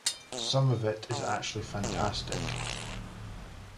Some of it is actually fantastic.